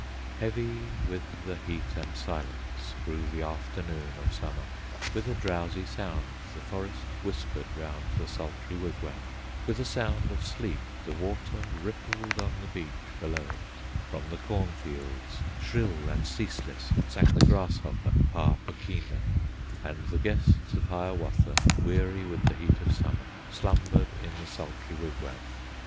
Heavy with the heat and silence Grew the afternoon of Summer; With a drowsy sound the forest Whispered round the sultry wigwam, With a sound of sleep the water Rippled on the beach below it; From the cornfields shrill and ceaseless Sang the grasshopper, Pah puk keena; And the guests of Hiawatha, Weary with the heat of Summer, Slumbered in the sultry wigwam.